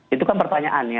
itu kan pertanyaannya